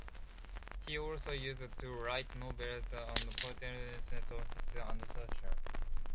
He also used to write novels and poetry themed psychology and social.